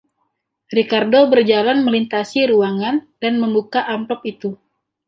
Ricardo berjalan melintasi ruangan dan membuka amplop itu.